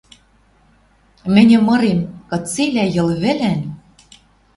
Мӹньӹ мырем, кыцелӓ Йыл вӹлӓн